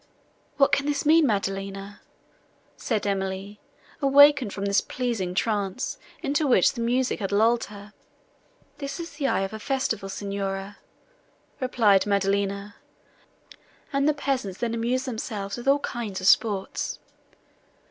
"What can this mean, Maddelina?" said Emily, awakening from the pleasing trance, into which the music had lulled her. "This is the eve of a festival, Signora," replied Maddelina; "and the peasants then amuse themselves with all kinds of sports."